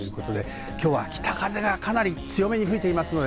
今日は北風がかなり強めに吹いています。